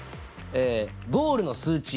えゴールの数値。